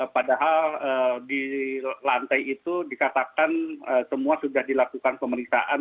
padahal di lantai itu dikatakan semua sudah dilakukan pemeriksaan